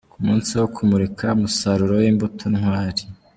Ku munsi wo kumurika umusaruro w'imbuto Ntwari.